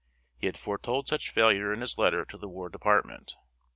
He had foretold such failure in his letter to the War Department.